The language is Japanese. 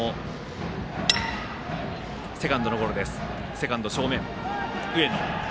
セカンド正面、上野。